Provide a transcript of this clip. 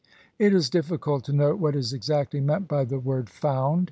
It is difficult to know what is exactly meant by the word "found".